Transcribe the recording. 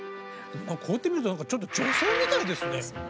こうやって見るとちょっと女性みたいですね。